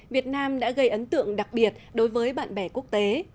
việt nam đã gây ấn tượng đặc biệt đối với bạn bè quốc tế